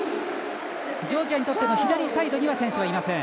ジョージアにとっての左サイドには選手はいません。